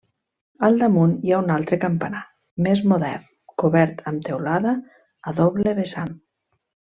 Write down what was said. Al damunt hi ha un altre campanar, més modern, cobert amb teulada a doble vessant.